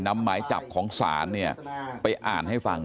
หมายจับของศาลเนี่ยไปอ่านให้ฟัง